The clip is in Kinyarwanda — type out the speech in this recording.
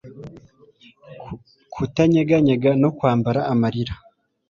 Kutanyeganyega no kwambara amarira